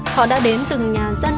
họ đã đến từng nhà dân